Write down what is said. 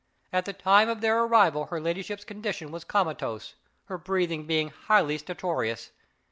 At the time of their arrival her ladyship's condition was comatose, her breathing being highly stertorous.